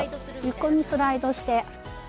横にスライドして。